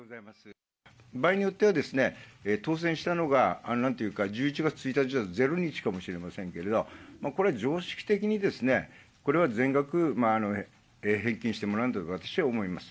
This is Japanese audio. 場合によってはですね、当選したのが、なんというか、１１月１日だと０日かもしれませんけれど、これ、常識的にですね、これは全額返金してもらうんだと私は思います。